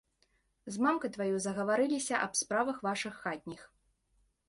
З мамкай тваёй загаварыліся аб справах вашых хатніх.